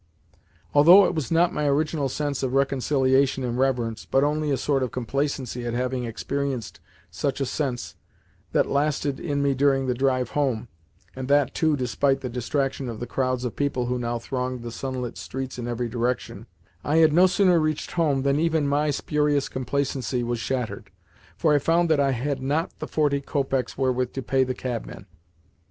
Although it was not my original sense of reconciliation and reverence, but only a sort of complacency at having experienced such a sense, that lasted in me during the drive home (and that, too, despite the distraction of the crowds of people who now thronged the sunlit streets in every direction), I had no sooner reached home than even my spurious complacency was shattered, for I found that I had not the forty copecks wherewith to pay the cabman!